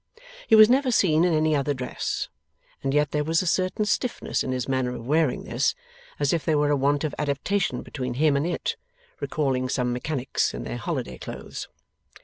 He was never seen in any other dress, and yet there was a certain stiffness in his manner of wearing this, as if there were a want of adaptation between him and it, recalling some mechanics in their holiday clothes.